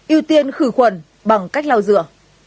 yêu tiên khử khuẩn bằng cách lau rửa